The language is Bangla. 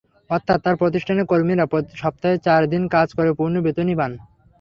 অর্থাৎ তাঁর প্রতিষ্ঠানের কর্মীরা সপ্তাহে চার দিন কাজ করে পূর্ণ বেতনই পান।